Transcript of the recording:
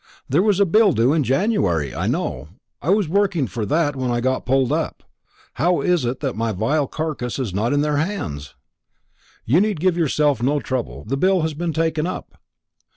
There was a bill due in January, I know. I was working for that when I got pulled up. How is it that my vile carcass is not in their hands?" "You need give yourself no trouble; the bill has been taken up."